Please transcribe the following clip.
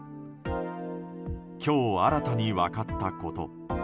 今日、新たに分かったこと。